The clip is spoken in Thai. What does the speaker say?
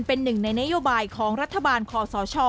เป็นหนึ่งในนโยบายของรัฐบาลคอสช